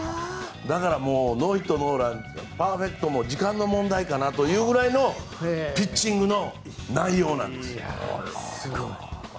だからノーヒットノーランパーフェクトも時間の問題かなというくらいのピッチング内容なんです。